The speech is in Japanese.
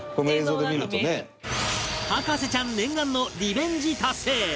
博士ちゃん念願のリベンジ達成！